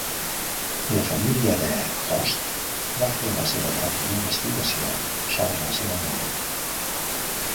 La família de Host va fer la seva pròpia investigació sobre la seva mort.